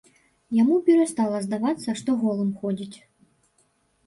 Яму перастала здавацца, што голым ходзіць.